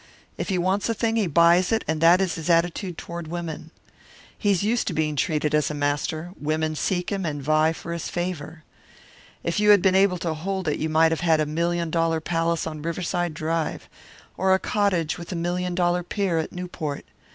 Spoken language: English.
If he wants a thing, he buys it, and that is his attitude toward women. He is used to being treated as a master; women seek him, and vie for his favour. If you had been able to hold it, you might have had a million dollar palace on Riverside Drive, or a cottage with a million dollar pier at Newport.